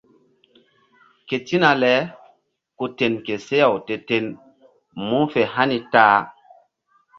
Ketina le ku ten ke seh-aw te-ten mu̧h fe hani ta-a.